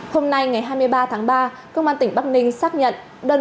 hôm nay ngày hai mươi ba tháng ba công an tỉnh bắc ninh xác nhận